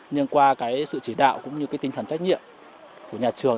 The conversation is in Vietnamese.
nhưng qua cái sự chỉ đạo cũng như cái tinh thần trách nhiệm của nhà trường